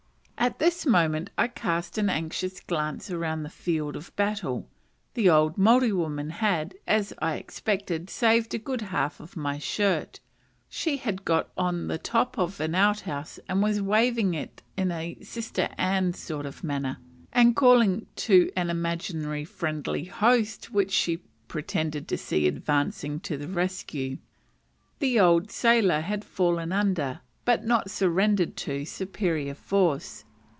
At this moment I cast an anxious glance around the field of battle. The old Maori woman had, as I expected, saved a good half of my shirt; she had got on the top of an outhouse, and was waving it in a "Sister Anne" sort of manner, and calling to an imaginary friendly host which she pretended to see advancing to the rescue. The old sailor had fallen under, but not surrendered to, superior force.